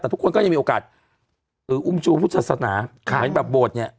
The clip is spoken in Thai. แต่ทุกคนก็ยังมีโอกาสอุ้มชูพุทธศาสนาเหมือนแบบโบสถ์เนี่ย